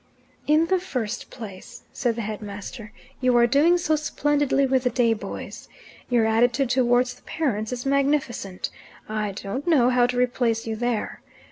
"In the first place," said the headmaster, "you are doing so splendidly with the day boys. Your attitude towards the parents is magnificent. I don't know how to replace you there.